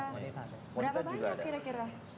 berapa banyak kira kira